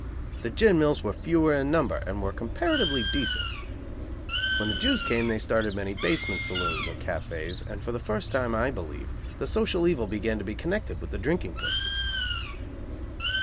The gin mills were fewer in number, and were comparatively decent. When the Jews came they started many basement saloons, or cafés, and for the first time, I believe, the social evil began to be connected with the drinking places.